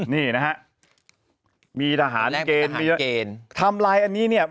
นี่นะฮะมีทหารเกณฑ์มีเกณฑ์ทำลายอันนี้เนี่ย